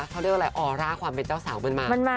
เขาเรียกว่าอะไรออร่าความเป็นเจ้าสาวมันมา